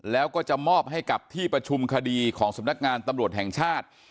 แล้วก็จะมอบให้กับที่ประชุมคดีของสำนักงานตำรวจแห่งชาติ